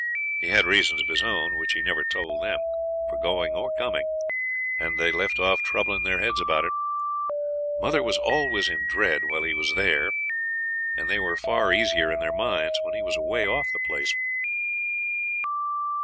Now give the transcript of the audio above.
He had reasons of his own, which he never told them, for going or coming, and they'd left off troubling their heads about it. Mother was always in dread while he was there, and they were far easier in their minds when he was away off the place.